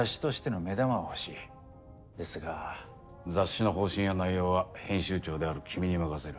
雑誌の方針や内容は編集長である君に任せる。